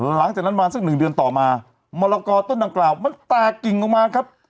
หลังจากนั้นมาสักหนึ่งเดือนต่อมามรกอต้นดังกล่าวมันแตกกิ่งออกมาครับ